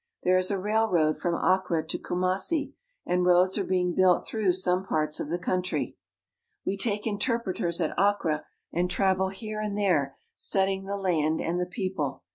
There ' is a railroad from Akkra to Kiimassi, and roads are being built through some parts of the country. We take interpreters at Akkra and travel here and there, studying the land and the people.